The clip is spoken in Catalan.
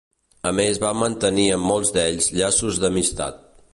A més va mantenir amb molts d'ells llaços d'amistat.